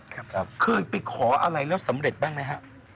คือไปขออะไรแล้วสำเร็จบ้างไหมครับ